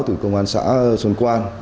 từ công an xã xuân quan